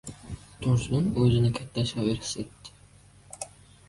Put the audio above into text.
Tursun o‘zini katta shoir his etdi.